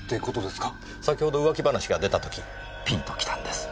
先ほど浮気話が出た時ピンときたんです。